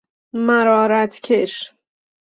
مرارت کش